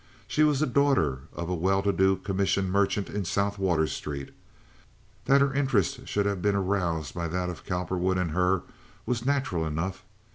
She was the daughter of a well to do commission merchant in South Water Street. That her interest should have been aroused by that of Cowperwood in her was natural enough.